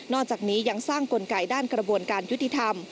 จากนี้ยังสร้างกลไกด้านกระบวนการยุติธรรม